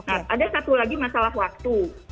ada satu lagi masalah waktu